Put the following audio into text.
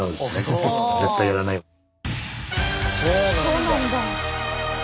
そうなんだ。